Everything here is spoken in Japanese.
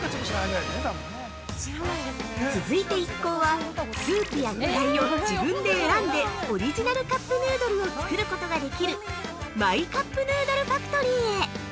続いて一行はスープや具材を自分で選んでオリジナルカップヌードルを作ることができるマイカップヌードルファクトリーへ。